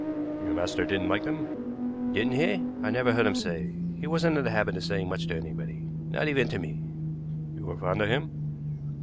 "Your master didn't like them?" "Didn't he? I never heard him say. He wasn't in the habit of saying much to anybody, not even to me." "You were fond of him?"